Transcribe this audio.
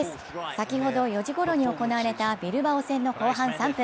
先ほど４時ごろに行われたビルバオ戦の後半３分。